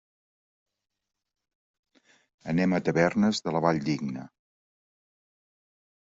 Anem a Tavernes de la Valldigna.